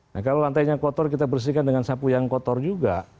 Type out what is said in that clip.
nah kalau lantainya kotor kita bersihkan dengan sapu yang kotor juga